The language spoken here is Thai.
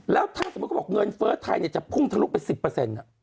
แล้วถ้าเกิดเงินเฟ้อไทยจะพุ่งทะลุเป็น๑๐